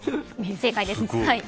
正解です。